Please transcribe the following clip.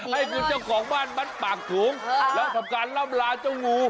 ให้คุณเจ้าของบ้านมัดปากถุงแล้วทำการล่ำลาเจ้างู